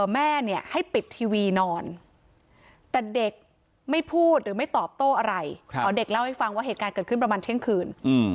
แม่เนี่ยให้ปิดทีวีนอนแต่เด็กไม่พูดหรือไม่ตอบโต้อะไรอ๋อเด็กเล่าให้ฟังว่าเหตุการณ์เกิดขึ้นประมาณเที่ยงคืน